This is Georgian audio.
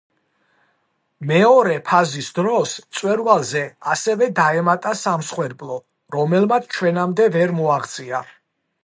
მეორე ფაზის დროს, მწვერვალზე ასევე დაემატა სამსხვერპლო, რომელმაც ჩვენამდე ვერ მოაღწია.